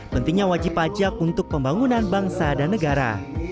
pentingnya wajib pajak untuk pembangunan bangsa dan negara